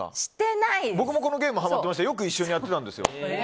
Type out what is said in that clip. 僕も、このゲームはまっててよく一緒にやってたんですよ。